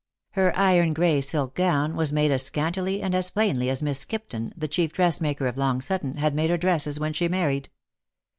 Her iron gray silk gown was made as scantily and as plainly as Miss Skipton, the chief dressmaker of Long Sutton, had made her dresses when she married.